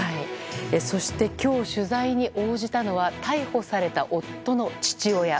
そして、今日取材に応じたのは逮捕された夫の父親。